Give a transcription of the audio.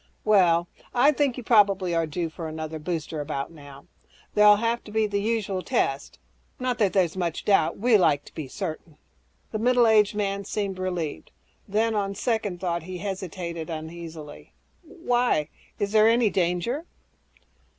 "Well, I think you probably are due for another booster about now. There'll have to be the usual tests. Not that there's much doubt ... we like to be certain." The middle aged man seemed relieved. Then, on second thought, he hesitated uneasily, "Why? Is there any danger?"